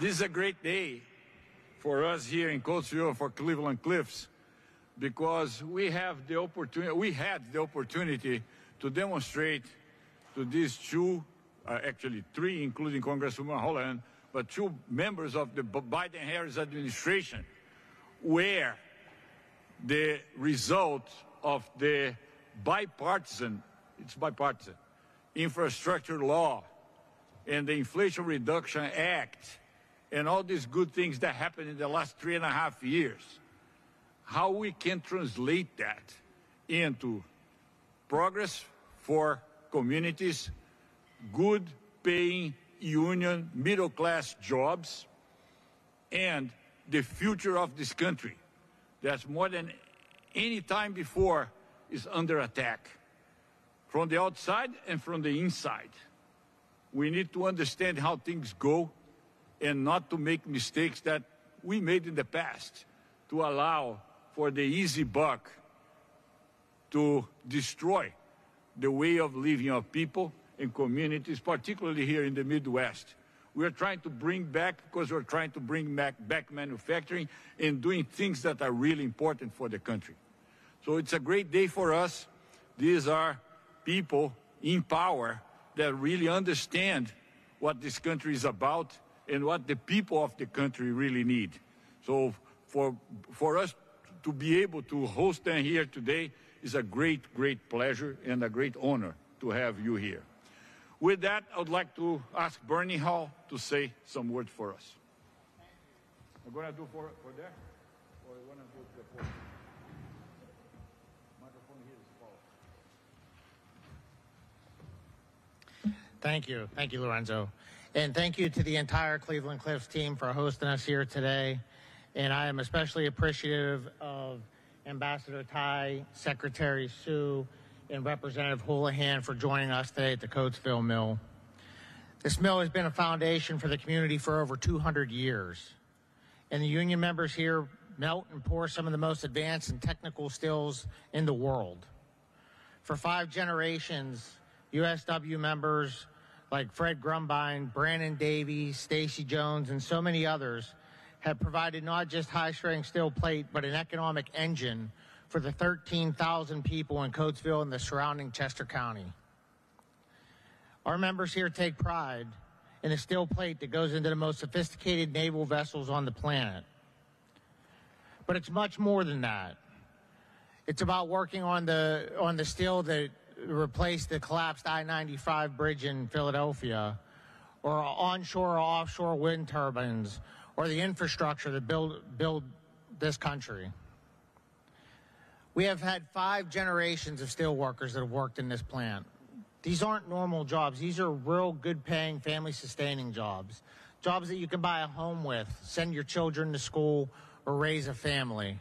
This is a great day for us here in Coatesville for Cleveland-Cliffs, because we have the opportunity, we had the opportunity to demonstrate to these two, actually three, including Congresswoman Houlahan, but two members of the Biden-Harris administration, where the result of the bipartisan, it's Bipartisan Infrastructure Law and the Inflation Reduction Act, and all these good things that happened in the last three and a half years. How we can translate that into progress for communities, good-paying union, middle-class jobs, and the future of this country. That more than any time before, is under attack from the outside and from the inside. We need to understand how things go and not to make mistakes that we made in the past, to allow for the easy buck to destroy the way of living of people and communities, particularly here in the Midwest. We are trying to bring back, 'cause we're trying to bring back manufacturing and doing things that are really important for the country. So, it's a great day for us. These are people in power that really understand what this country is about and what the people of the country really need. So, for us to be able to host them here today is a great, great pleasure and a great honor to have you here. With that, I would like to ask Bernie Hall to say some words for us. Thank you. We're gonna do for there, or we wanna do it at the podium? Microphone here is for- Thank you. Thank you, Lourenco and thank you to the entire Cleveland-Cliffs team for hosting us here today. And I am especially appreciative of Ambassador Tai, Secretary Su, and Representative Houlahan for joining us today at the Coatesville Mill. This mill has been a foundation for the community for over two hundred years, and the union members here melt and pour some of the most advanced and technical steels in the world. For five generations, USW members like Fred Grumbine, Brandon Davies, Stacy Jones, and so many others, have provided not just high-strength steel plate, but an economic engine for the 13,000 people in Coatesville and the surrounding Chester County. Our members here take pride in a steel plate that goes into the most sophisticated naval vessels on the planet. But it's much more than that. It's about working on the steel that replaced the collapsed I-95 bridge in Philadelphia, or onshore, offshore wind turbines, or the infrastructure that builds this country. We have had five generations of steelworkers that have worked in this plant. These aren't normal jobs. These are real, good-paying, family-sustaining jobs. Jobs that you can buy a home with, send your children to school or raise a family.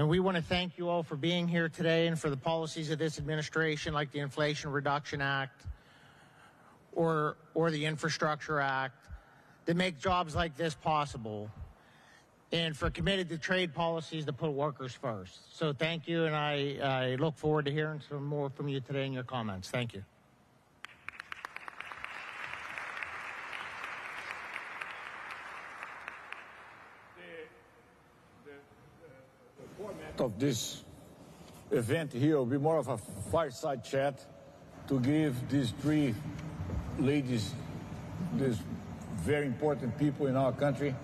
And we wanna thank you all for being here today and for the policies of this administration, like the Inflation Reduction Act or the Infrastructure Act, that make jobs like this possible, and for committed to trade policies that put workers first. So thank you, and I look forward to hearing some more from you today in your comments. Thank you. The format of this event here will be more of a fireside chat to give these three ladies, these very important people in our country,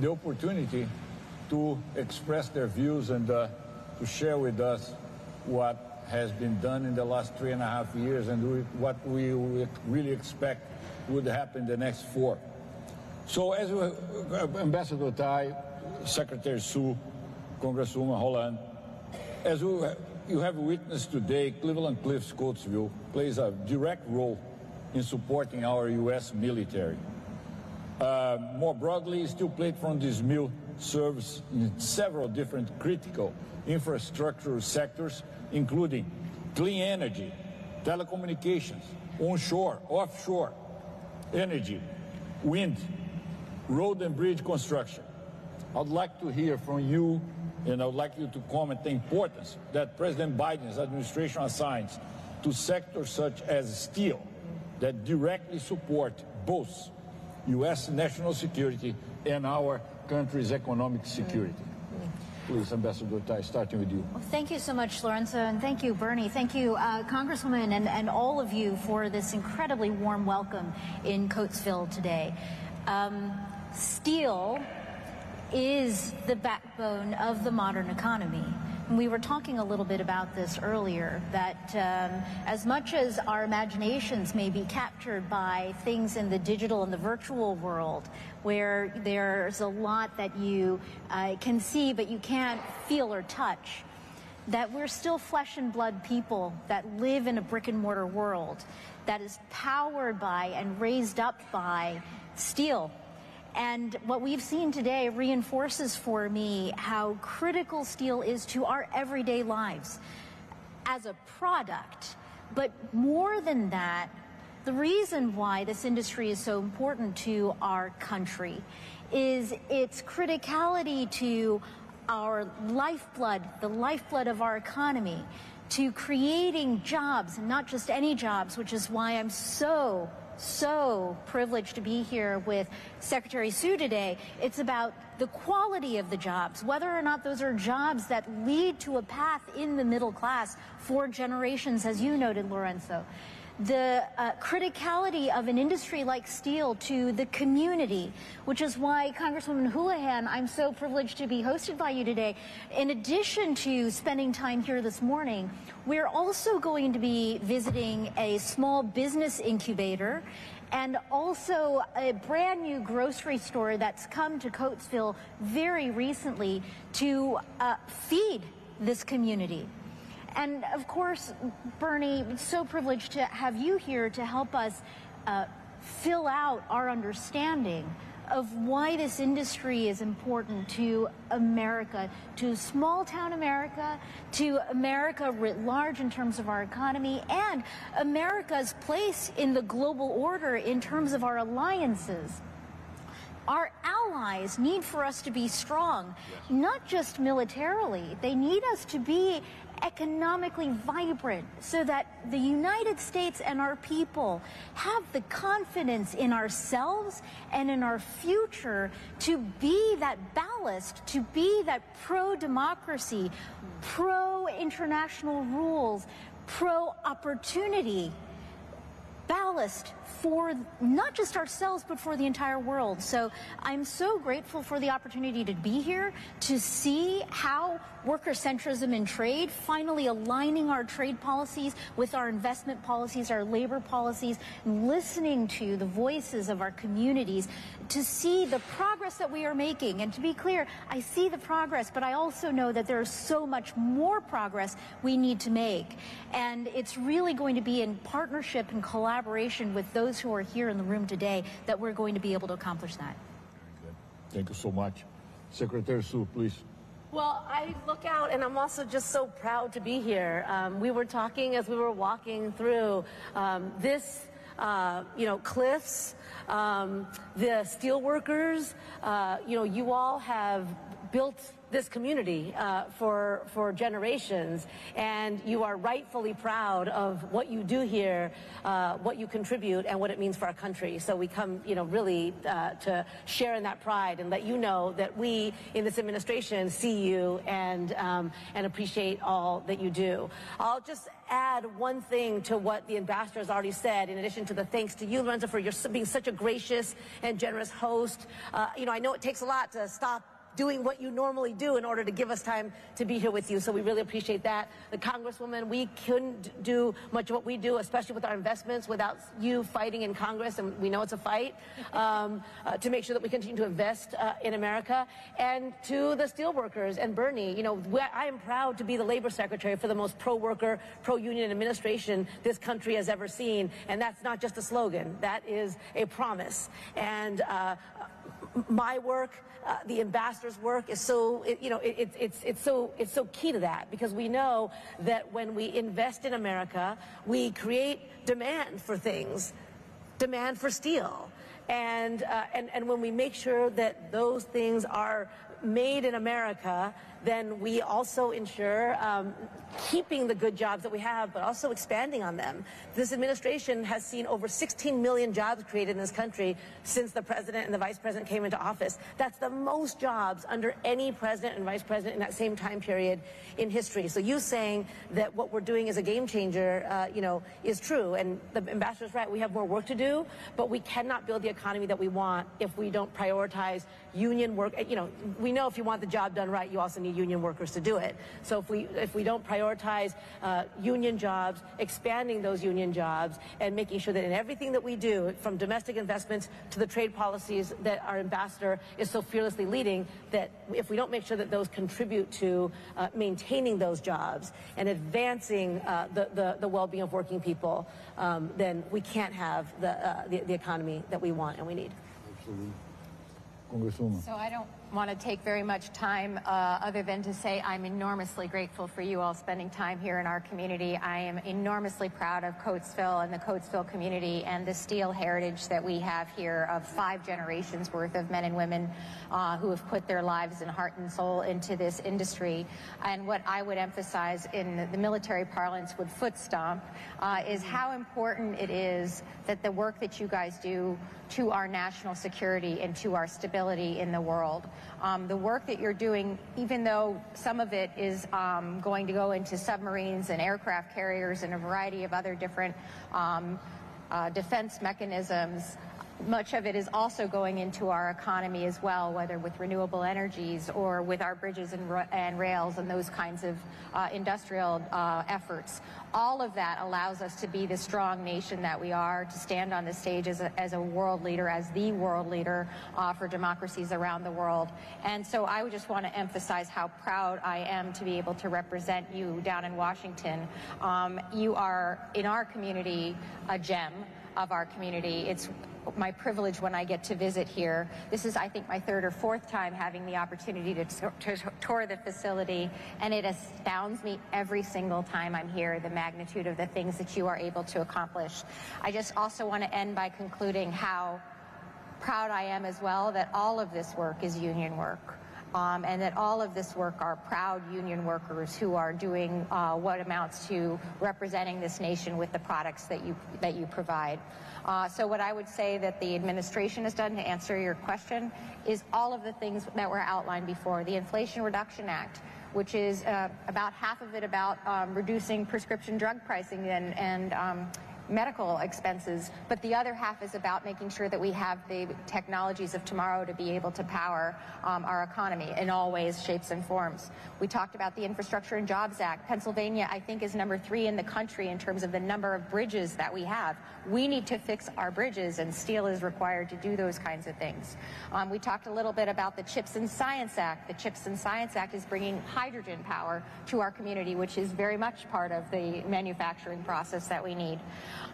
the opportunity to express their views and to share with us what has been done in the last three and a half years, and what we really expect would happen in the next four. So, as Ambassador Tai, Secretary Su, Congresswoman Houlahan, as you have witnessed today, Cleveland-Cliffs Coatesville plays a direct role in supporting our U.S. military. More broadly, steel plate from this mill serves in several different critical infrastructure sectors, including clean energy, telecommunications, onshore, offshore energy, wind, road and bridge construction. I would like to hear from you, and I would like you to comment the importance that President Biden's administration assigns to sectors such as steel, that directly support both U.S. national security and our country's economic security. Please, Ambassador Tai, starting with you. Thank you so much, Lourenco, and thank you, Bernie. Thank you, Congresswoman, and all of you for this incredibly warm welcome in Coatesville today. Steel is the backbone of the modern economy. We were talking a little bit about this earlier, that, as much as our imaginations may be captured by things in the digital and the virtual world, where there's a lot that you can see, but you can't feel or touch, that we're still flesh and blood people that live in a brick-and-mortar world, that is powered by and raised up by steel. What we've seen today reinforces for me how critical steel is to our everyday lives as a product. But more than that, the reason why this industry is so important to our country is its criticality to our lifeblood, the lifeblood of our economy, to creating jobs, and not just any jobs, which is why I'm so privileged to be here with Secretary Su today. It's about the quality of the jobs, whether or not those are jobs that lead to a path in the middle class for generations, as you noted, Lourenco. The criticality of an industry like steel to the community, which is why, Congresswoman Houlahan, I'm so privileged to be hosted by you today. In addition to spending time here this morning, we're also going to be visiting a small business incubator and also a brand-new grocery store that's come to Coatesville very recently to feed this community. Of course, Bernie, so privileged to have you here to help us fill out our understanding of why this industry is important to America, to small-town America, to America writ large in terms of our economy, and America's place in the global order in terms of our alliances. Our allies need for us to be strong. Not just militarily. They need us to be economically vibrant, so that the United States and our people have the confidence in ourselves and in our future to be that ballast, to be that pro-democracy, pro-international rules, pro-opportunity ballast for not just ourselves, but for the entire world. So, I'm so grateful for the opportunity to be here, to see how worker centrism in trade, finally aligning our trade policies with our investment policies, our labor policies, listening to the voices of our communities, to see the progress that we are making. And to be clear, I see the progress, but I also know that there is so much more progress we need to make, and it's really going to be in partnership and collaboration with those who are here in the room today, that we're going to be able to accomplish that. Very good. Thank you so much. Secretary Su, please. I look out, and I'm also just so proud to be here. We were talking as we were walking through this, you know, Cliffs, the steelworkers, you know, you all have built this community for generations, and you are rightfully proud of what you do here, what you contribute, and what it means for our country. So, we come, you know, really to share in that pride and let you know that we, in this administration, see you and and appreciate all that you do. I'll just add one thing to what the ambassador's already said, in addition to the thanks to you, Lourenco, for your being such a gracious and generous host. You know, I know it takes a lot to stop doing what you normally do in order to give us time to be here with you, so we really appreciate that. The Congresswoman, we couldn't do much of what we do, especially with our investments, without you fighting in Congress, and we know it's a fight to make sure that we continue to invest in America. To the steelworkers and Bernie, you know, I am proud to be the Labor Secretary for the most pro-worker, pro-union administration this country has ever seen, and that's not just a slogan. That is a promise. My work, the ambassador's work is so. You know, it's so key to that because we know that when we invest in America, we create demand for things, demand for steel. When we make sure that those things are made in America, then we also ensure keeping the good jobs that we have but also expanding on them. This administration has seen over 16 million jobs created in this country since the president and the vice president came into office. That's the most jobs under any president and vice president in that same time period in history, so you saying that what we're doing is a game changer, you know, is true, and the ambassador's right, we have more work to do, but we cannot build the economy that we want if we don't prioritize union work. You know, we know if you want the job done right, you also need union workers to do it. So if we don't prioritize union jobs, expanding those union jobs, and making sure that in everything that we do, from domestic investments to the trade policies that our ambassador is so fearlessly leading, that if we don't make sure that those contribute to maintaining those jobs and advancing the well-being of working people, then we can't have the economy that we want and we need. Absolutely. Congresswoman. So, I don't wanna take very much time, other than to say I'm enormously grateful for you all spending time here in our community. I am enormously proud of Coatesville and the Coatesville community and the steel heritage that we have here of five generations worth of men and women, who have put their lives and heart and soul into this industry. And what I would emphasize in the military parlance with foot stomp, is how important it is that the work that you guys do to our national security and to our stability in the world. The work that you're doing, even though some of it is going to go into submarines and aircraft carriers and a variety of other different defense mechanisms, much of it is also going into our economy as well, whether with renewable energies or with our bridges and rails and those kinds of industrial efforts. All of that allows us to be the strong nation that we are, to stand on this stage as a, as a world leader, as the world leader for democracies around the world, and so I would just want to emphasize how proud I am to be able to represent you down in Washington. You are, in our community, a gem of our community. It's my privilege when I get to visit here. This is, I think, my third or fourth time having the opportunity to tour the facility, and it astounds me every single time I'm here, the magnitude of the things that you are able to accomplish. I just also wanna end by concluding how proud I am as well, that all of this work is union work, and that all of this work are proud union workers who are doing what amounts to representing this nation with the products that you provide. So, what I would say that the administration has done, to answer your question, is all of the things that were outlined before. The Inflation Reduction Act, which is about half of it about reducing prescription drug pricing and medical expenses, but the other half is about making sure that we have the technologies of tomorrow to be able to power our economy in all ways, shapes, and forms. We talked about the Infrastructure and Jobs Act. Pennsylvania, I think, is number three in the country in terms of the number of bridges that we have. We need to fix our bridges, and steel is required to do those kinds of things. We talked a little bit about the CHIPS and Science Act. The CHIPS and Science Act is bringing hydrogen power to our community, which is very much part of the manufacturing process that we need.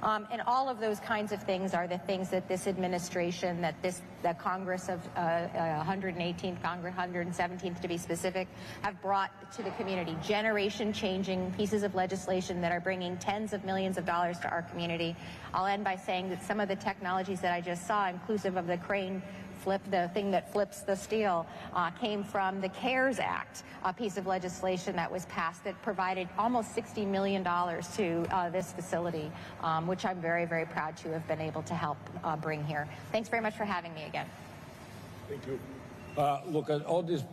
And all of those kinds of things are the things that this administration, that this, the Congress of hundred and eighteenth Congress, hundred and seventeenth, to be specific, have brought to the community. Generation-changing pieces of legislation that are bringing tens of millions of dollars to our community. I'll end by saying that some of the technologies that I just saw, inclusive of the crane flip, the thing that flips the steel, came from the CARES Act, a piece of legislation that was passed that provided almost $60 million to this facility, which I'm very, very proud to have been able to help bring here. Thanks very much for having me again. Thank you. Look, at all these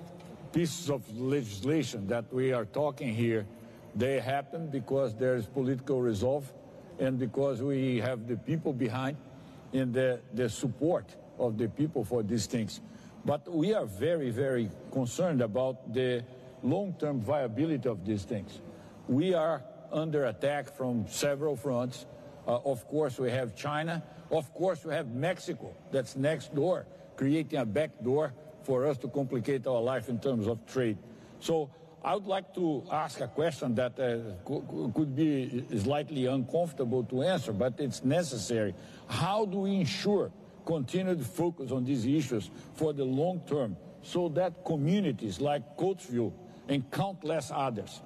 pieces of legislation that we are talking here, they happen because there is political resolve and because we have the people behind and the support of the people for these things. But we are very, very concerned about the long-term viability of these things. We are under attack from several fronts. Of course, we have China. Of course, we have Mexico that's next door, creating a backdoor for us to complicate our life in terms of trade. So, I would like to ask a question that could be slightly uncomfortable to answer, but it's necessary. How do we ensure continued focus on these issues for the long term, so that communities like Coatesville and countless others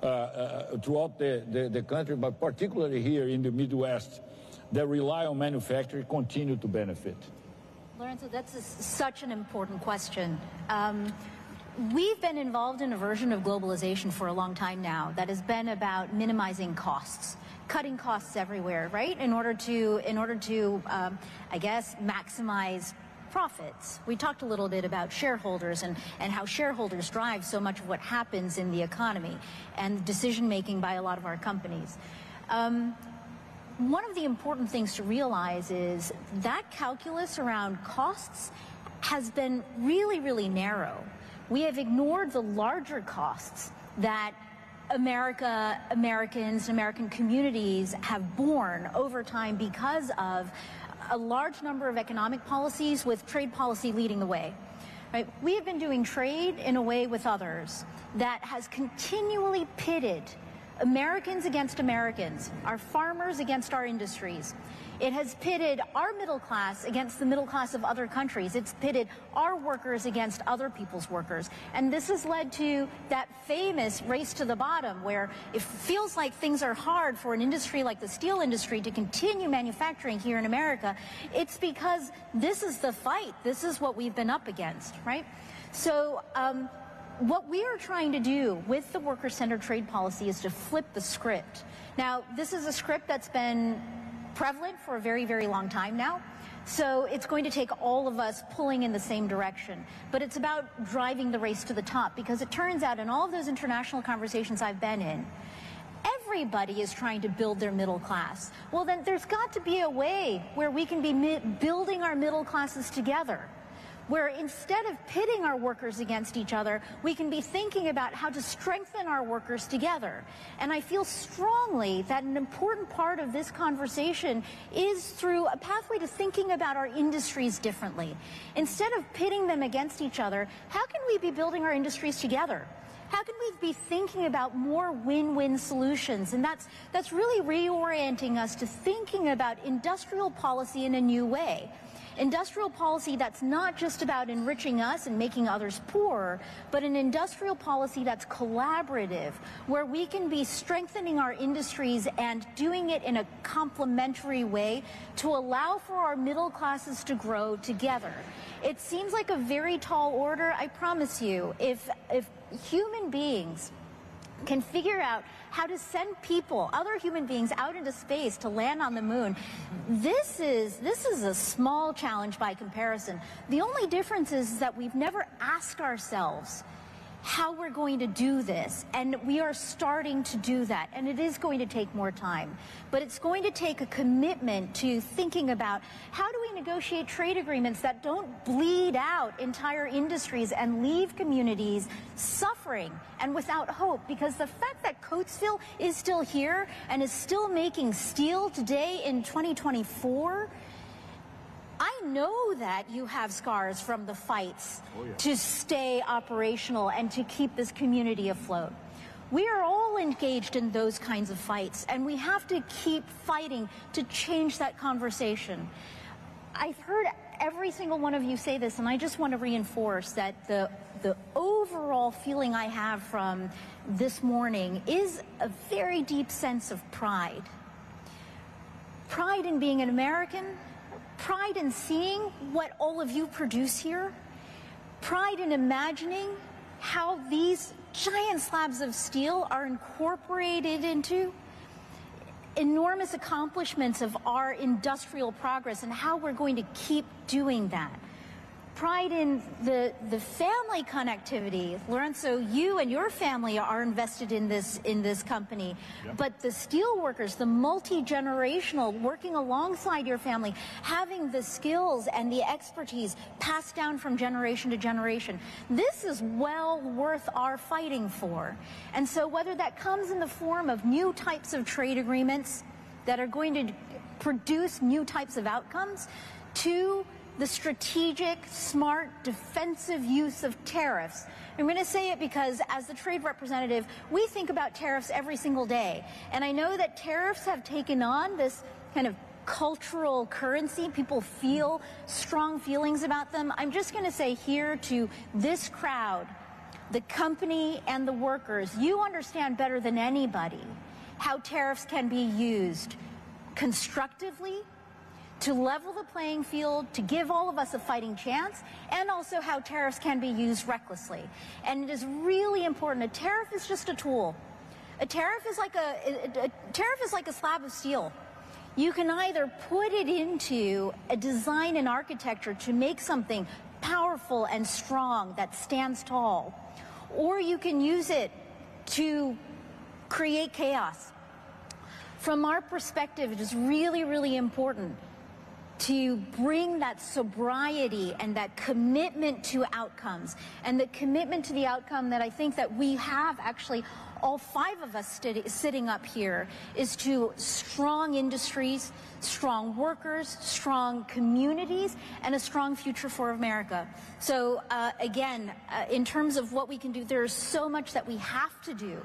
throughout the country, but particularly here in the Midwest, that rely on manufacturing, continue to benefit? Lourenco, that's such an important question. We've been involved in a version of globalization for a long time now. That has been about minimizing costs, cutting costs everywhere, right? In order to, I guess, maximize profits. We talked a little bit about shareholders and how shareholders drive so much of what happens in the economy and decision-making by a lot of our companies. One of the important things to realize is that calculus around costs has been really, really narrow. We have ignored the larger costs that America, Americans, American communities have borne over time because of a large number of economic policies, with trade policy leading the way, right? We have been doing trade in a way with others that has continually pitted Americans against Americans, our farmers against our industries. It has pitted our middle class against the middle class of other countries. It's pitted our workers against other people's workers, and this has led to that famous race to the bottom, where it feels like things are hard for an industry like the steel industry to continue manufacturing here in America. It's because this is the fight. This is what we've been up against, right? So, what we are trying to do with the worker-centered trade policy is to flip the script. Now, this is a script that's been prevalent for a very, very long time now, so it's going to take all of us pulling in the same direction. But it's about driving the race to the top, because it turns out, in all those international conversations I've been in, everybody is trying to build their middle class. There's got to be a way where we can be building our middle classes together, where instead of pitting our workers against each other, we can be thinking about how to strengthen our workers together. I feel strongly that an important part of this conversation is through a pathway to thinking about our industries differently. Instead of pitting them against each other, how can we be building our industries together? How can we be thinking about more win-win solutions? That's really reorienting us to thinking about industrial policy in a new way. Industrial policy that's not just about enriching us and making others poorer, but an industrial policy that's collaborative, where we can be strengthening our industries and doing it in a complementary way to allow for our middle classes to grow together. It seems like a very tall order. I promise you, if human beings can figure out how to send people, other human beings, out into space to land on the moon, this is a small challenge by comparison. The only difference is that we've never asked ourselves how we're going to do this, and we are starting to do that, and it is going to take more time. But it's going to take a commitment to thinking about: How do we negotiate trade agreements that don't bleed out entire industries and leave communities suffering and without hope? Because the fact that Coatesville is still here and is still making steel today in twenty twenty-four, I know that you have scars from the fights- Oh, yeah. To stay operational and to keep this community afloat. We are all engaged in those kinds of fights, and we have to keep fighting to change that conversation. I've heard every single one of you say this, and I just want to reinforce that the overall feeling I have from this morning is a very deep sense of pride... pride in being an American, pride in seeing what all of you produce here, pride in imagining how these giant slabs of steel are incorporated into enormous accomplishments of our industrial progress, and how we're going to keep doing that. Pride in the family connectivity. Lourenco, you and your family are invested in this, in this company. Yeah. But the steelworkers, the multi-generational, working alongside your family, having the skills and the expertise passed down from generation to generation, this is well worth our fighting for. And so whether that comes in the form of new types of trade agreements that are going to produce new types of outcomes, to the strategic, smart, defensive use of tariffs. I'm gonna say it because, as the trade representative, we think about tariffs every single day. And I know that tariffs have taken on this kind of cultural currency. People feel strong feelings about them. I'm just gonna say here to this crowd, the company, and the workers, you understand better than anybody how tariffs can be used constructively to level the playing field, to give all of us a fighting chance, and also how tariffs can be used recklessly. And it is really important. A tariff is just a tool. A tariff is like a slab of steel. You can either put it into a design and architecture to make something powerful and strong that stands tall, or you can use it to create chaos. From our perspective, it is really, really important to bring that sobriety and that commitment to outcomes, and the commitment to the outcome that I think that we have actually, all five of us sitting up here, is to strong industries, strong workers, strong communities, and a strong future for America. So, again, in terms of what we can do, there is so much that we have to do,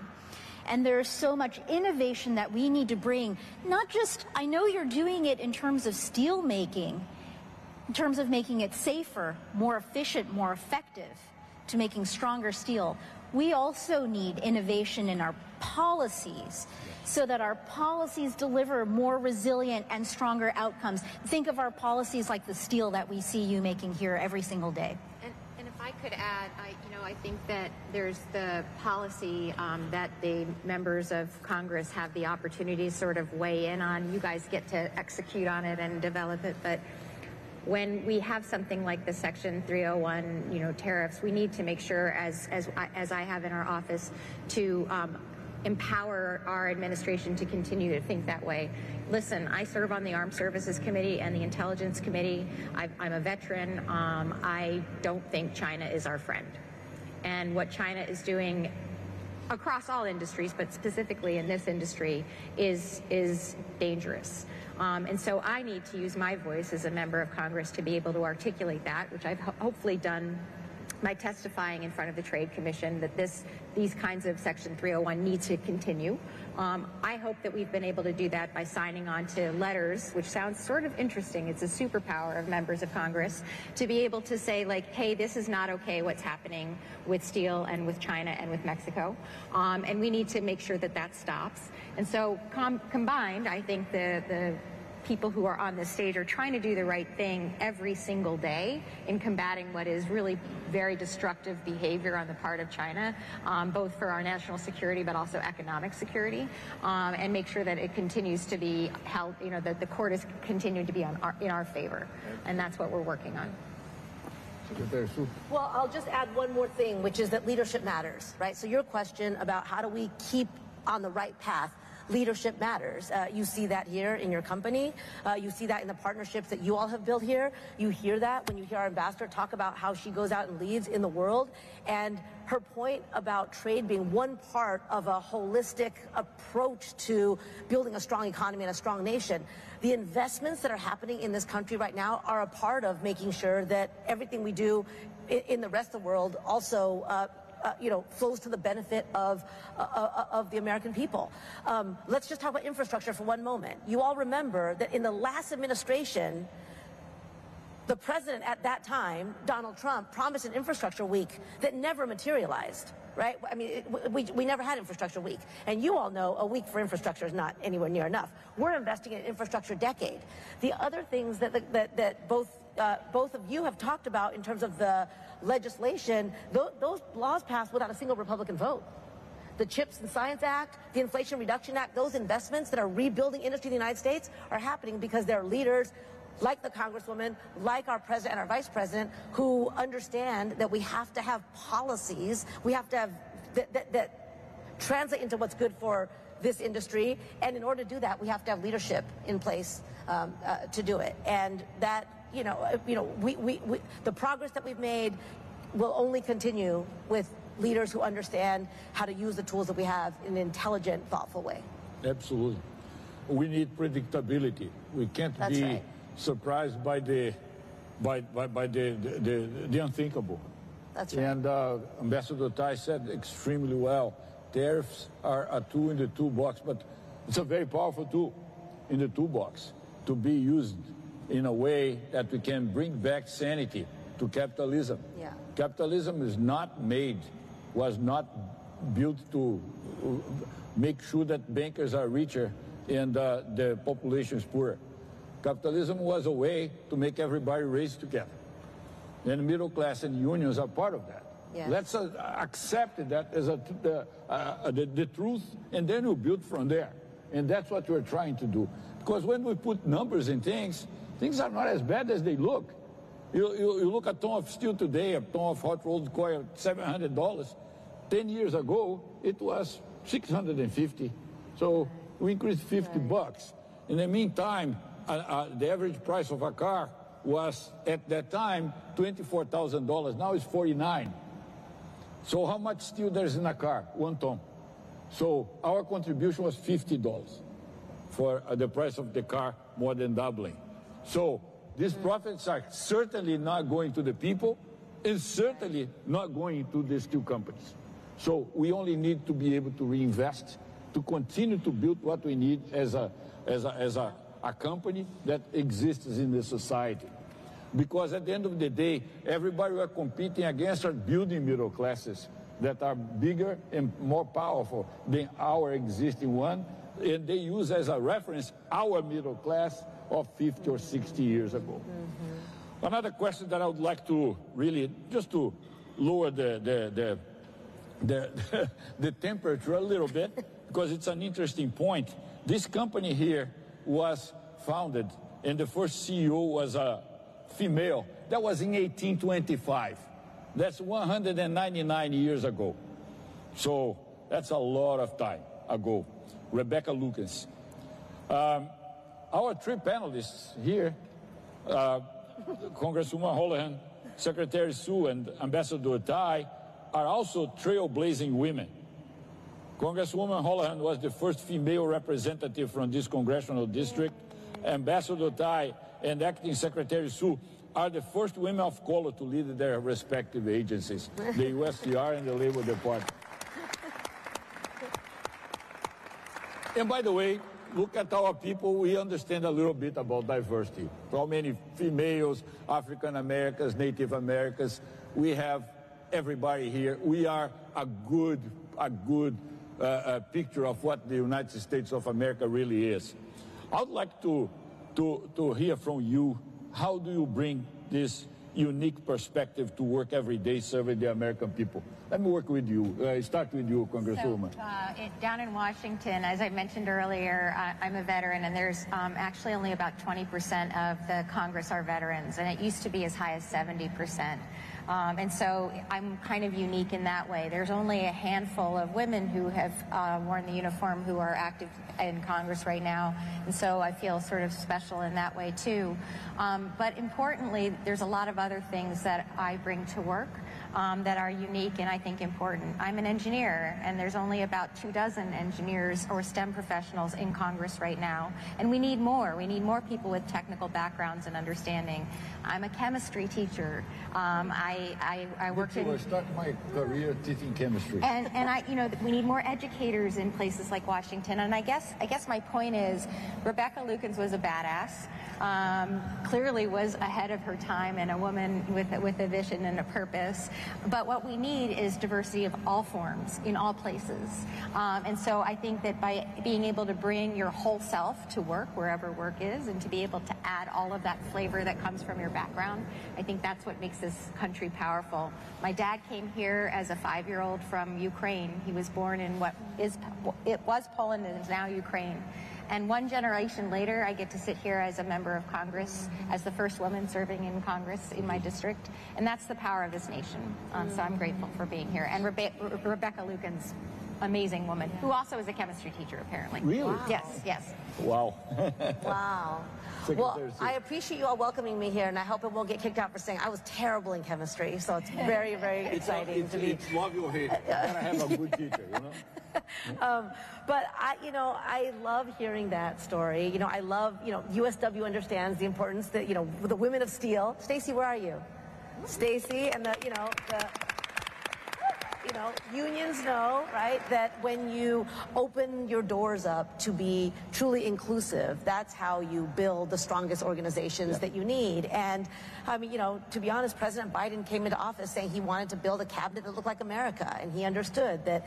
and there is so much innovation that we need to bring, not just... I know you're doing it in terms of steelmaking, in terms of making it safer, more efficient, more effective, to making stronger steel. We also need innovation in our policies. Yeah. so that our policies deliver more resilient and stronger outcomes. Think of our policies like the steel that we see you making here every single day. If I could add, you know, I think that there's the policy that the members of Congress have the opportunity to sort of weigh in on. You guys get to execute on it and develop it, but when we have something like the Section 301, you know, tariffs, we need to make sure as I have in our office, to empower our administration to continue to think that way. Listen, I serve on the Armed Services Committee and the Intelligence Committee. I'm a veteran. I don't think China is our friend. And what China is doing across all industries, but specifically in this industry, is dangerous. And so, I need to use my voice as a member of Congress to be able to articulate that, which I've hopefully done by testifying in front of the Trade Commission, that this, these kinds of Section 301 need to continue. I hope that we've been able to do that by signing on to letters, which sounds sort of interesting. It's a superpower of members of Congress to be able to say, like, "Hey, this is not okay, what's happening with steel and with China and with Mexico." And we need to make sure that that stops. And so combined, I think the people who are on this stage are trying to do the right thing every single day in combating what is really very destructive behavior on the part of China, both for our national security, but also economic security, and make sure that it continues to be held, you know, that the court is continuing to be in our favor. Yeah. That's what we're working on. Secretary Su. I'll just add one more thing, which is that leadership matters, right? So, your question about how do we keep on the right path, leadership matters. You see that here in your company. You see that in the partnerships that you all have built here. You hear that when you hear our ambassador talk about how she goes out and leads in the world, and her point about trade being one part of a holistic approach to building a strong economy and a strong nation, the investments that are happening in this country right now are a part of making sure that everything we do in the rest of the world also, you know, flows to the benefit of the American people. Let's just talk about infrastructure for one moment. You all remember that in the last administration, the president at that time, Donald Trump, promised an infrastructure week that never materialized, right? I mean, we never had infrastructure week. And you all know, a week for infrastructure is not anywhere near enough. We're investing in an infrastructure decade. The other things that both of you have talked about in terms of the legislation, those laws passed without a single Republican vote. The CHIPS and Science Act, the Inflation Reduction Act, those investments that are rebuilding industry in the United States are happening because there are leaders, like the congresswoman, like our president and our vice president, who understand that we have to have policies, we have to have... that translate into what's good for this industry. And in order to do that, we have to have leadership in place, to do it. And that, you know, the progress that we've made will only continue with leaders who understand how to use the tools that we have in an intelligent, thoughtful way. Absolutely. We need predictability. That's right. We can't be surprised by the unthinkable. That's right. Ambassador Tai said extremely well, tariffs are a tool in the toolbox, but it's a very powerful tool in the toolbox to be used in a way that we can bring back sanity to capitalism. Yeah. Capitalism was not built to make sure that bankers are richer and the population is poorer. Capitalism was a way to make everybody raise together, and the middle class and unions are part of that. Yes. Let's accept that as the truth, and then we'll build from there, and that's what we're trying to do. Because when we put numbers in things, things are not as bad as they look. You look at a ton of steel today, a ton of hot rolled coil, $700. Ten years ago, it was $650, so- Right. We increased $50. In the meantime, the average price of a car was, at that time, $24,000. Now, it's $49,000. So how much steel there is in a car? One ton. So, our contribution was $50 for the price of the car, more than doubling. So, These profits are certainly not going to the people and certainly not going to the steel companies, so we only need to be able to reinvest, to continue to build what we need as a company that exists in the society. Because at the end of the day, everybody we are competing against are building middle classes that are bigger and more powerful than our existing one, and they use as a reference our middle class of 50 or 60 years ago. Another question that I would like to really just to lower the temperature a little bit because it's an interesting point. This company here was founded, and the first CEO was a female. That was in eighteen twenty-five. That's one hundred and ninety-nine years ago, so that's a lot of time ago. Rebecca Lukens. Our three panelists here, Congresswoman Houlahan, Secretary Su, and Ambassador Tai are also trailblazing women. Congresswoman Houlahan was the first female representative from this congressional district. Ambassador Tai and Acting Secretary Su are the first women of color to lead their respective agencies, the USTR and the Labor Department. And by the way, look at our people. We understand a little bit about diversity. So how many females, African Americans, Native Americans, we have everybody here. We are a good picture of what the United States of America really is. I would like to hear from you; how do you bring this unique perspective to work every day serving the American people? Let me work with you. Start with you, Congresswoman. So, down in Washington, as I mentioned earlier, I'm a veteran, and there's actually only about 20% of the Congress are veterans, and it used to be as high as 70%. And so, I'm kind of unique in that way. There's only a handful of women who have worn the uniform who are active in Congress right now, and so I feel sort of special in that way, too. But importantly, there's a lot of other things that I bring to work that are unique and I think important. I'm an engineer, and there's only about two dozen engineers or STEM professionals in Congress right now, and we need more. We need more people with technical backgrounds and understanding. I'm a chemistry teacher. I worked in- Me too. I started my career teaching chemistry. You know, we need more educators in places like Washington, and I guess my point is, Rebecca Lukens was a badass. Clearly was ahead of her time and a woman with a vision and a purpose. But what we need is diversity of all forms in all places. I think that by being able to bring your whole self to work wherever work is, and to be able to add all of that flavor that comes from your background, I think that's what makes this country powerful. My dad came here as a five-year-old from Ukraine. He was born in what was Poland, and it is now Ukraine. One generation later, I get to sit here as a member of Congress, as the first woman serving in Congress in my district, and that's the power of this nation. I'm grateful for being here. Rebecca Lukens, amazing woman, who also is a chemistry teacher, apparently. Really? Wow! Yes. Yes. Wow. Wow. Secretary Su. I appreciate you all welcoming me here, and I hope I won't get kicked out for saying I was terrible in chemistry. It's very, very exciting to be- It's like, it's love or hate. Yeah. You gotta have a good teacher, you know? But I, you know, I love hearing that story. You know, I love. You know, USW understands the importance that, you know, the women of steel. Stacy, where are you? Stacy, and the, you know, unions know, right, that when you open your doors up to be truly inclusive, that's how you build the strongest organizations- Yeah... that you need. And, I mean, you know, to be honest, President Biden came into office saying he wanted to build a cabinet that looked like America, and he understood that,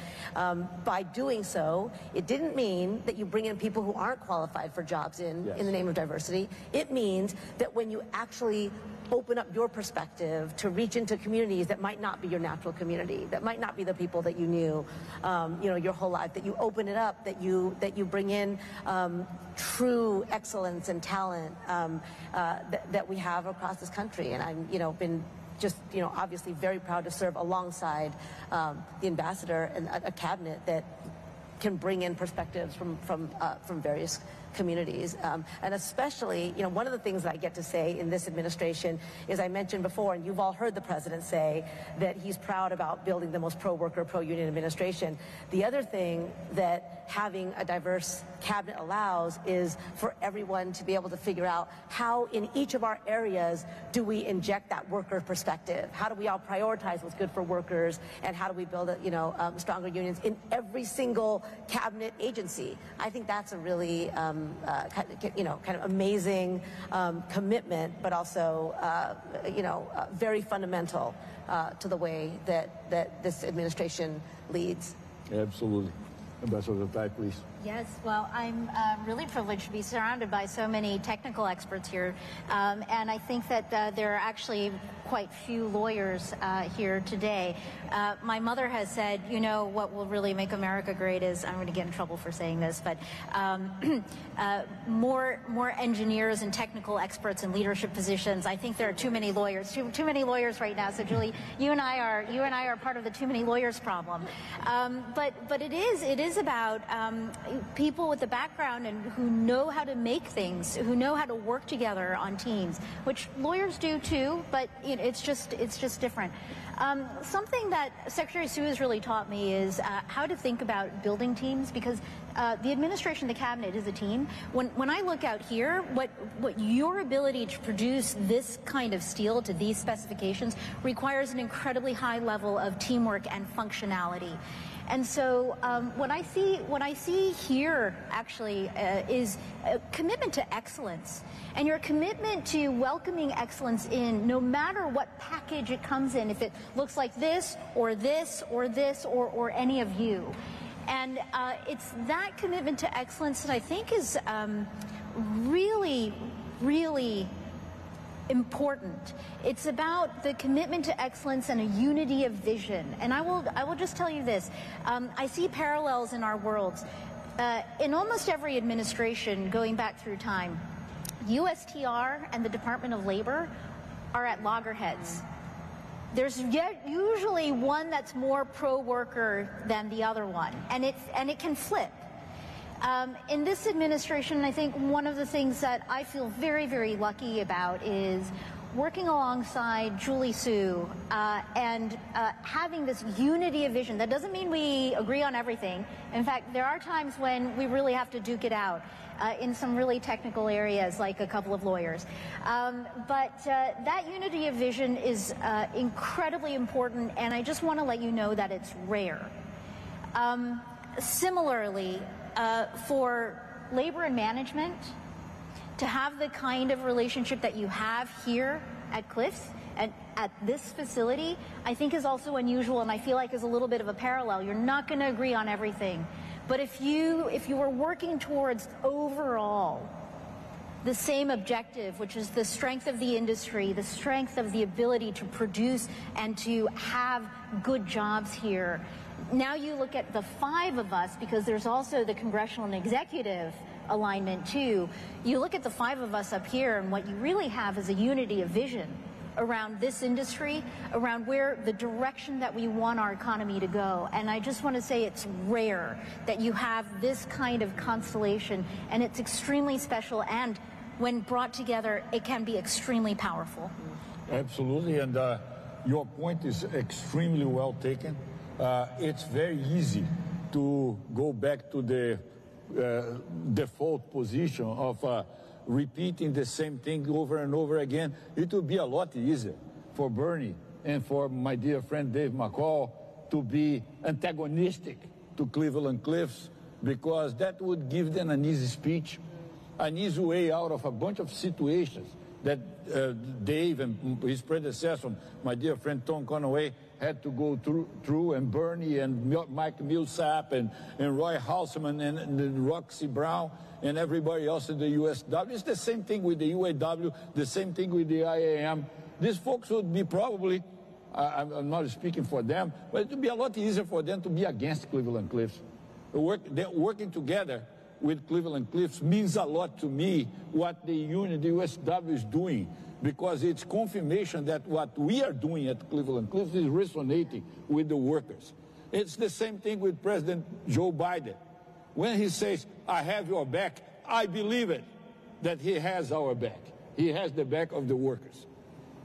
by doing so, it didn't mean that you bring in people who aren't qualified for jobs in- Yes... in the name of diversity. It means that when you actually open up your perspective to reach into communities that might not be your natural community, that might not be the people that you knew, you know, your whole life, that you open it up, that you bring in true excellence and talent, that we have across this country. And I'm, you know, been just, you know, obviously very proud to serve alongside the ambassador and a cabinet that can bring in perspectives from various communities. And especially, you know, one of the things that I get to say in this administration is I mentioned before, and you've all heard the president say, that he's proud about building the most pro-worker, pro-union administration. The other thing that having a diverse cabinet allows is for everyone to be able to figure out how, in each of our areas, do we inject that worker perspective? How do we all prioritize what's good for workers, and how do we build a, you know, stronger unions in every single cabinet agency? I think that's a really, you know, kind of amazing, commitment, but also, you know, very fundamental, to the way that, that this administration leads. Absolutely. Ambassador Tai, please. Yes, well, I'm really privileged to be surrounded by so many technical experts here, and I think that there are actually quite a few lawyers here today. My mother has said, "You know, what will really make America great is," I'm gonna get in trouble for saying this, but "more engineers and technical experts in leadership positions. I think there are too many lawyers, too many lawyers right now," so Julie, you and I are part of the too many lawyers problem, but it is about people with a background and who know how to make things, who know how to work together on teams, which lawyers do, too, but it's just different. Something that Secretary Su has really taught me is how to think about building teams, because the administration, the cabinet is a team. When I look out here, what your ability to produce this kind of steel to these specifications requires an incredibly high level of teamwork and functionality. And so, what I see here actually is a commitment to excellence and your commitment to welcoming excellence in, no matter what package it comes in, if it looks like this or this or this or any of you. And it's that commitment to excellence that I think is really, really important. It's about the commitment to excellence and a unity of vision. I will just tell you this. I see parallels in our worlds. In almost every administration, going back through time, USTR and the Department of Labor are at loggerheads. There's usually one that's more pro-worker than the other one, and it can flip. In this administration, I think one of the things that I feel very, very lucky about is working alongside Julie Su, and having this unity of vision. That doesn't mean we agree on everything, in fact, there are times when we really have to duke it out in some really technical areas, like a couple of lawyers. But that unity of vision is incredibly important, and I just want to let you know that it's rare. Similarly, for labor and management, to have the kind of relationship that you have here at Cliffs and at this facility, I think is also unusual, and I feel like is a little bit of a parallel. You're not gonna agree on everything, but if you, if you are working towards overall the same objective, which is the strength of the industry, the strength of the ability to produce and to have good jobs here... Now, you look at the five of us, because there's also the congressional and executive alignment, too. You look at the five of us up here, and what you really have is a unity of vision around this industry, around where the direction that we want our economy to go, and I just want to say it's rare that you have this kind of constellation, and it's extremely special, and when brought together, it can be extremely powerful. Absolutely, and, your point is extremely well taken. It's very easy to go back to the default position of repeating the same thing over and over again. It will be a lot easier for Bernie and for my dear friend, Dave McCall, to be antagonistic to Cleveland-Cliffs, because that would give them an easy speech, an easy way out of a bunch of situations that Dave and his predecessor, my dear friend, Tom Conway, had to go through, and Bernie and Mike Millsap and Roy Houseman and Roxy Brown and everybody else in the USW. It's the same thing with the UAW, the same thing with the IAM. These folks would be probably, I'm not speaking for them, but it would be a lot easier for them to be against Cleveland-Cliffs. They're working together with Cleveland-Cliffs means a lot to me, what the union, the USW, is doing, because it's confirmation that what we are doing at Cleveland-Cliffs is resonating with the workers. It's the same thing with President Joe Biden. When he says, "I have your back," I believe it, that he has our back. He has the back of the workers.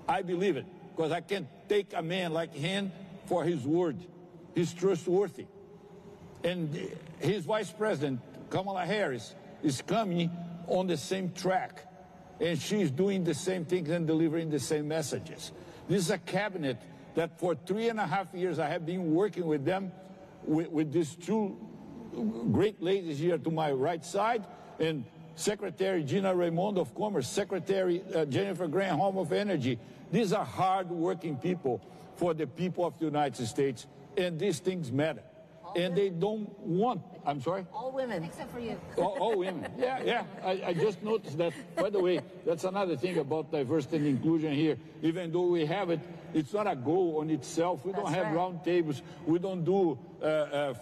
I believe it, because I can take a man like him for his word. He's trustworthy. And his vice president, Kamala Harris, is coming on the same track, and she's doing the same things and delivering the same messages. This is a cabinet that for three and a half years, I have been working with them, with, with these two great ladies here to my right side, and Secretary Gina Raimondo of Commerce, Secretary Jennifer Granholm of Energy. These are hardworking people for the people of the United States, and these things matter. All women. And they don't want... I'm sorry? All women. Except for you. All women. Yeah, yeah, I just noticed that. By the way, that's another thing about diversity and inclusion here. Even though we have it, it's not a goal in itself. That's right. We don't have roundtables. We don't do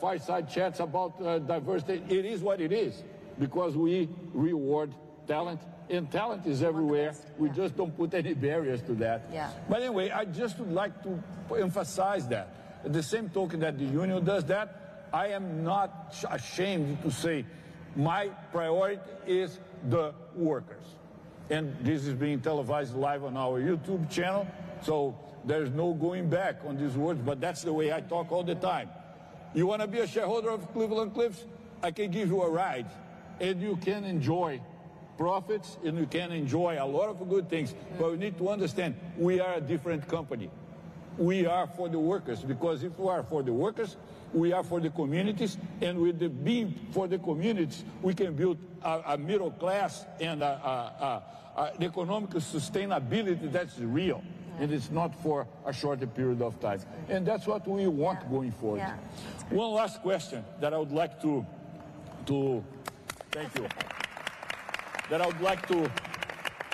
fireside chats about diversity. It is what it is, because we reward talent, and talent is everywhere. Yeah. We just don't put any barriers to that. Yeah. But anyway, I just would like to emphasize that. By the same token that the union does that, I am not ashamed to say my priority is the workers, and this is being televised live on our YouTube channel, so there's no going back on these words, but that's the way I talk all the time. You wanna be a shareholder of Cleveland-Cliffs? I can give you a ride, and you can enjoy profits, and you can enjoy a lot of good things. Yeah. But you need to understand, we are a different company. We are for the workers, because if we are for the workers, we are for the communities, and with the being for the communities, we can build a middle class and a economic sustainability that's real- Right... and it's not for a shorter period of time. That's right. That's what we want going forward. Yeah, yeah. One last question that I would like to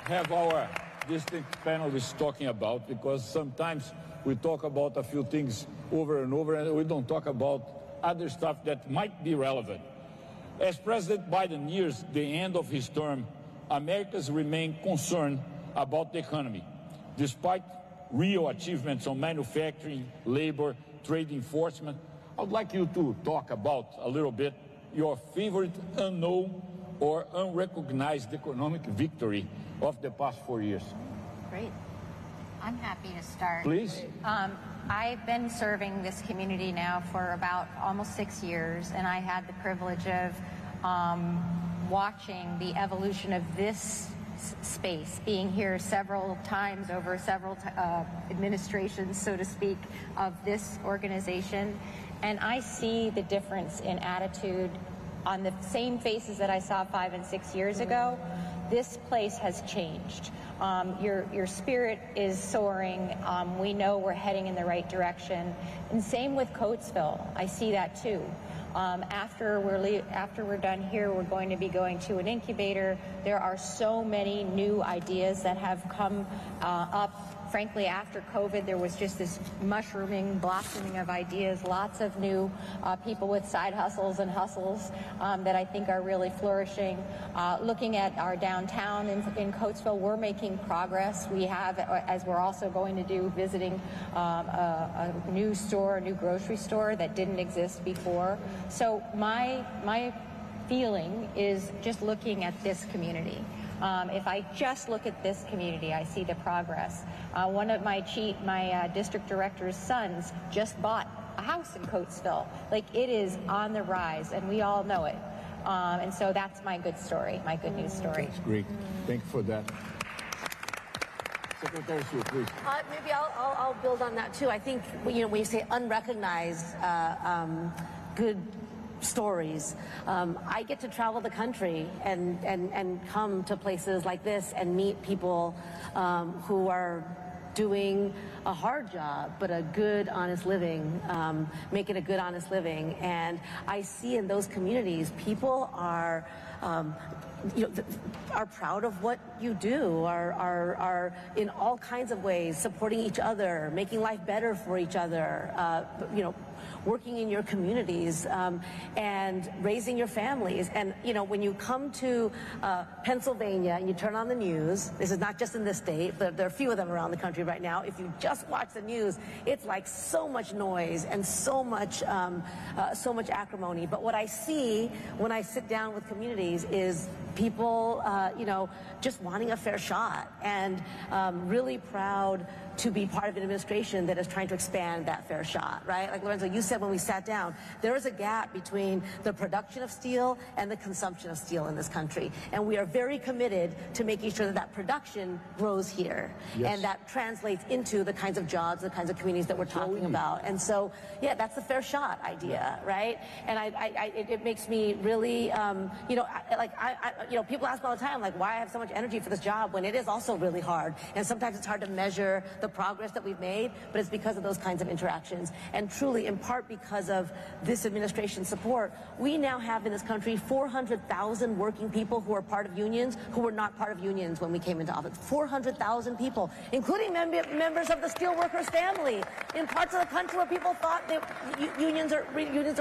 have our distinguished panelists talking about, because sometimes we talk about a few things over and over, and we don't talk about other stuff that might be relevant. As President Biden nears the end of his term, Americans remain concerned about the economy, despite real achievements on manufacturing, labor, trade enforcement. I would like you to talk about, a little bit, your favorite unknown or unrecognized economic victory of the past four years. Great. I'm happy to start. Please. I've been serving this community now for about almost six years, and I had the privilege of watching the evolution of this space, being here several times over several administrations, so to speak, of this organization, and I see the difference in attitude on the same faces that I saw five and six years ago. This place has changed. Your spirit is soaring. We know we're heading in the right direction, and same with Coatesville. I see that, too. After we're done here, we're going to be going to an incubator. There are so many new ideas that have come up. Frankly, after COVID, there was just this mushrooming, blossoming of ideas, lots of new people with side hustles and hustles that I think are really flourishing. Looking at our downtown in Coatesville, we're making progress. We have, as we're also going to do, visiting a new store, a new grocery store that didn't exist before. So my feeling is just looking at this community. If I just look at this community, I see the progress. One of my district director's sons just bought a house in Coatesville. Like, it is on the rise, and we all know it. And so that's my good story, my good news story. That's great. Thank you for that. Secretary, please. Maybe I'll build on that, too. I think, you know, when you say unrecognized good stories, I get to travel the country and come to places like this and meet people who are doing a hard job but a good, honest living, making a good, honest living. And I see in those communities, people are, you know, proud of what you do, are in all kinds of ways supporting each other, making life better for each other, you know, working in your communities and raising your families. And, you know, when you come to Pennsylvania, and you turn on the news, this is not just in this state, but there are a few of them around the country right now. If you just watch the news, it's, like, so much noise and so much acrimony. But what I see when I sit down with communities is people, you know, just wanting a fair shot and, really proud to be part of an administration that is trying to expand that fair shot, right? Like, Lourenco you said when we sat down, there is a gap between the production of steel and the consumption of steel in this country, and we are very committed to making sure that that production grows here. Yes. That translates into the kinds of jobs, the kinds of communities that we're talking about. Totally. And so, yeah, that's the fair shot idea, right? And I... It makes me really, you know, like I... You know, people ask me all the time, like, why I have so much energy for this job when it is also really hard, and sometimes it's hard to measure the progress that we've made, but it's because of those kinds of interactions. And truly, in part, because of this administration's support, we now have in this country four hundred thousand working people who are part of unions, who were not part of unions when we came into office. Four hundred thousand people, including members of the steelworkers' family, in parts of the country where people thought that unions are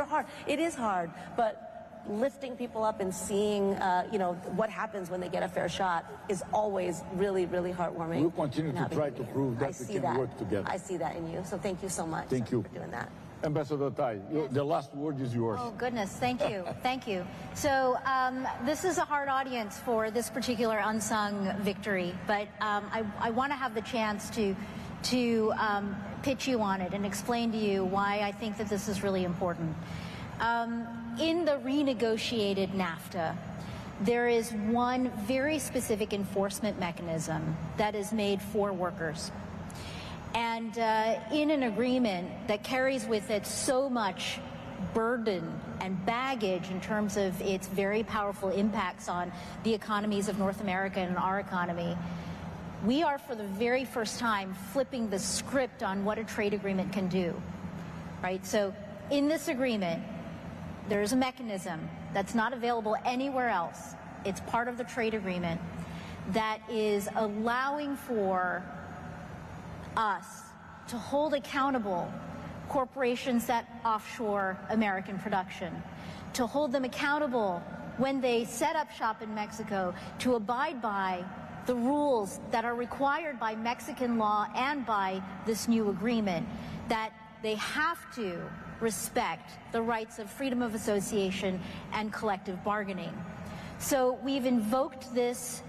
hard. It is hard, but lifting people up and seeing, you know, what happens when they get a fair shot is always really, really heartwarming. We'll continue to try to prove that- I see that. We can work together. I see that in you, so thank you so much- Thank you. for doing that. Ambassador Tai- Yes. The last word is yours. Oh, goodness! Thank you. Thank you. So, this is a hard audience for this particular unsung victory, but I wanna have the chance to pitch you on it and explain to you why I think that this is really important. In the renegotiated NAFTA, there is one very specific enforcement mechanism that is made for workers. And, in an agreement that carries with it so much burden and baggage in terms of its very powerful impacts on the economies of North America and our economy, we are, for the very first time, flipping the script on what a trade agreement can do, right? So in this agreement, there is a mechanism that's not available anywhere else, it's part of the trade agreement, that is allowing for us to hold accountable corporations that offshore American production, to hold them accountable when they set up shop in Mexico, to abide by the rules that are required by Mexican law and by this new agreement, that they have to respect the rights of freedom of association and collective bargaining. So, we've invoked this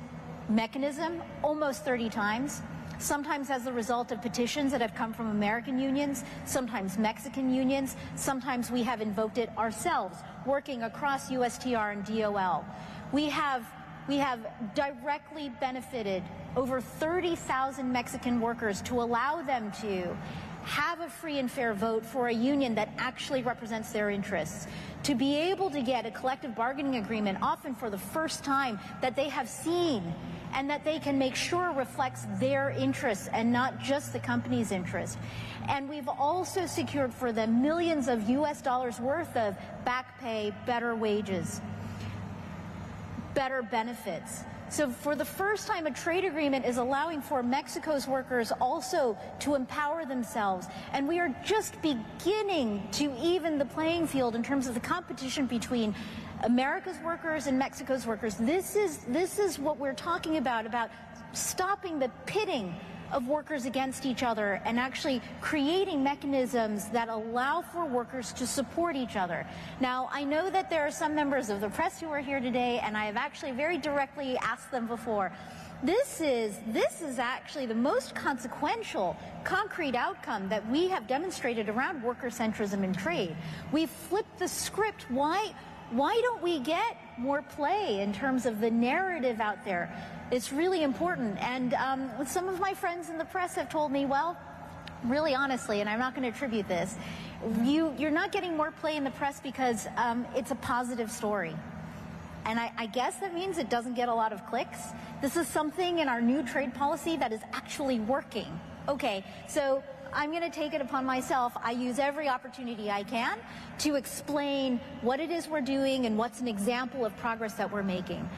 mechanism almost 30 times, sometimes as a result of petitions that have come from American unions, sometimes Mexican unions, sometimes we have invoked it ourselves, working across USTR and DOL. We have, we have directly benefited over 30,000 Mexican workers to allow them to have a free and fair vote for a union that actually represents their interests, to be able to get a collective bargaining agreement, often for the first time, that they have seen, and that they can make sure reflects their interests and not just the company's interest, and we've also secured for them millions of U.S. dollars worth of back pay, better wages, better benefits, so for the first time, a trade agreement is allowing for Mexico's workers also to empower themselves, and we are just beginning to even the playing field in terms of the competition between America's workers and Mexico's workers. This is, this is what we're talking about, about stopping the pitting of workers against each other and actually creating mechanisms that allow for workers to support each other. Now, I know that there are some members of the press who are here today, and I have actually very directly asked them before. This is, this is actually the most consequential, concrete outcome that we have demonstrated around worker centrism and trade. We've flipped the script. Why, why don't we get more play in terms of the narrative out there? It's really important, and some of my friends in the press have told me, "Well," really honestly, and I'm not gonna attribute this, "You, you're not getting more play in the press because it's a positive story." And I, I guess that means it doesn't get a lot of clicks. This is something in our new trade policy that is actually working. Okay, so I'm gonna take it upon myself. I use every opportunity I can to explain what it is we're doing and what's an example of progress that we're making.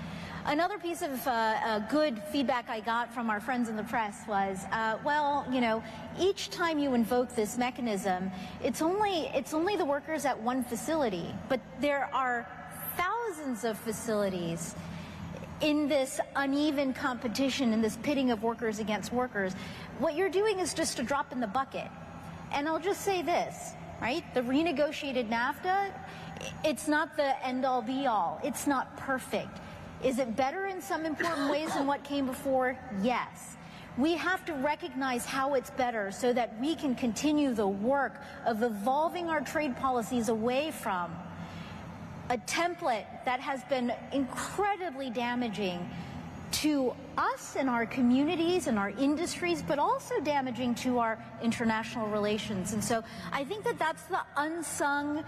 Another piece of good feedback I got from our friends in the press was, "Well, you know, each time you invoke this mechanism, it's only, it's only the workers at one facility, but there are thousands of facilities in this uneven competition, in this pitting of workers against workers. What you're doing is just a drop in the bucket." And I'll just say this, right? The renegotiated NAFTA, it's not the end-all, be-all. It's not perfect. Is it better in some important ways than what came before? Yes. We have to recognize how it's better so that we can continue the work of evolving our trade policies away from a template that has been incredibly damaging to us and our communities and our industries, but also damaging to our international relations. And so I think that that's the unsung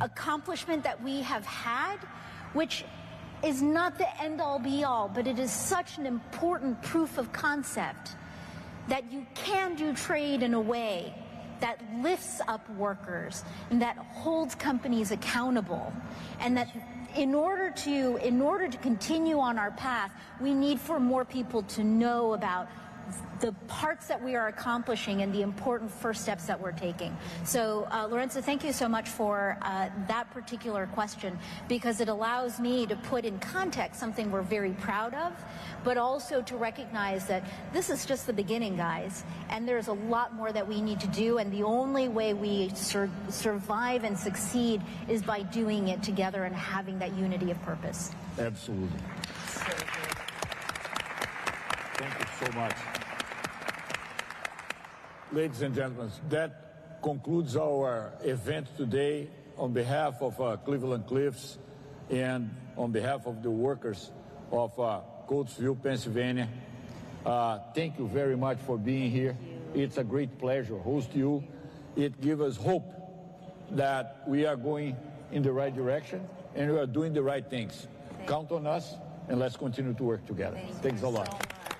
accomplishment that we have had, which is not the end-all, be-all, but it is such an important proof of concept, that you can do trade in a way that lifts up workers and that holds companies accountable, and that in order to, in order to continue on our path, we need for more people to know about the parts that we are accomplishing and the important first steps that we're taking. So, Lourenco, thank you so much for that particular question because it allows me to put in context something we're very proud of, but also to recognize that this is just the beginning, guys, and there's a lot more that we need to do, and the only way we survive and succeed is by doing it together and having that unity of purpose. Absolutely. Thank you so much. Ladies and gentlemen, that concludes our event today. On behalf of Cleveland-Cliffs and on behalf of the workers of Coatesville, Pennsylvania, thank you very much for being here. Thank you. It's a great pleasure to host you. It gives us hope that we are going in the right direction, and we are doing the right things. Thank you. Count on us, and let's continue to work together. Thank you so much. Thanks a lot.